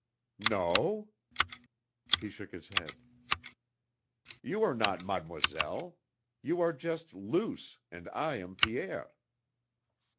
"No?" (He shook his head.) "You are not 'Mademoiselle.' You are just Luce and I am Pierre."